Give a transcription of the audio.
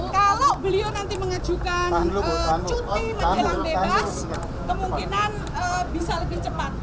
kalau beliau nanti mengajukan cuti menjelang bebas kemungkinan bisa lebih cepat